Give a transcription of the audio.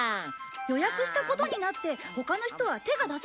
予約したことになって他の人は手が出せなくなるの？